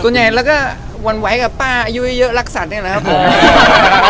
ส่วนใหญ่เราก็หวั่นไหวกับป้าอายุเยอะรักสัตว์นี่แหละครับผม